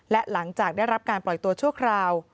และหลังจากได้รับการปล่อยตัวชั่วคราว